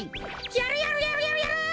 やるやるやるやるやる！